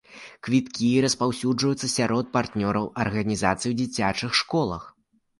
Квіткі распаўсюджваюцца сярод партнёраў арганізацыі і ў дзіцячых школах.